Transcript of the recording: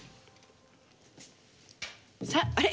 さああれ？